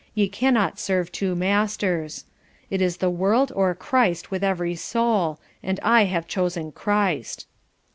'Ye cannot serve two masters.' It is the world or Christ with every soul, and I have chosen Christ."